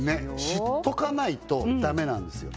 知っとかないとダメなんですよ